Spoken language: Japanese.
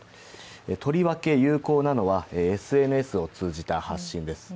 とりわけ有効なのはＳＮＳを通じた発信です。